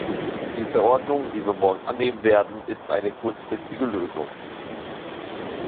Die Verordnung, die wir morgen annehmen werden, ist eine kurzfristige Lösung.